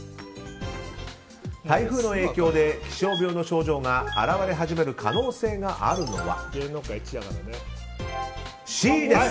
台風の影響で気象病の症状が現れ始める可能性があるのはＣです。